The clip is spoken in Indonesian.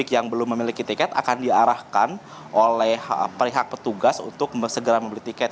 yang belum memiliki tiket akan diarahkan oleh pihak petugas untuk segera membeli tiket